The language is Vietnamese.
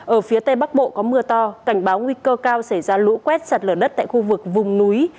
ở phía tây bắc bộ có mưa to cảnh báo nguy cơ cao xảy ra lũ quét sạt lở đất tại khu vực vùng núi